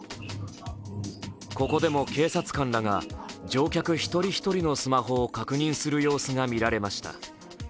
ここでも、警察官らが乗客一人一人のスマホを確認する様子が見られました。